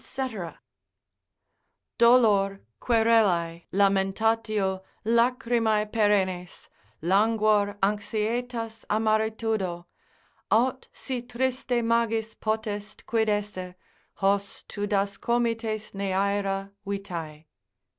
———dolor, querelae, Lamentatio, lachrymae perennes, Languor, anxietas, amaritudo; Aut si triste magis potest quid esse, Hos tu das comites Neaera vitae.